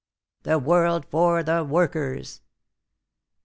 The world for the workers."